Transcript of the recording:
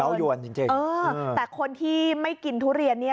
เขายวนจริงจริงเออแต่คนที่ไม่กินทุเรียนเนี่ย